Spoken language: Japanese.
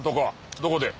どこで？